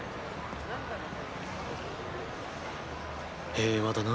平和だな。